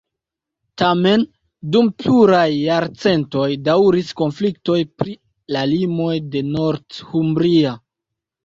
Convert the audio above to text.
Tamen dum pluraj jarcentoj daŭris konfliktoj pri la limoj de Northumbria.